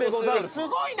すごいな！